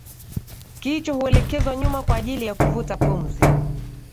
Kichwa huelekezwa nyuma kwa ajili ya kuvuta pumzi